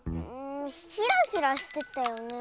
ヒラヒラしてたよね。